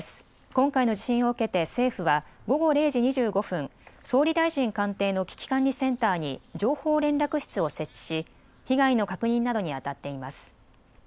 今回の地震を受けて政府は午後０時２５分、総理大臣官邸の危機管理センターに情報連絡室を設置し被害の確認などにあたっています。